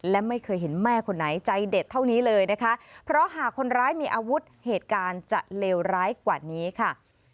และไม่เคยเห็นแม่คนไหนใจเด็ดเท่านี้เลยนะคะเพราะหากคนร้ายมีอาวุธเหตุการณ์จะเลวร้ายกว่านี้ค่ะ